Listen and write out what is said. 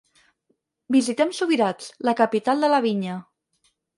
Visitem Subirats, la capital de la vinya.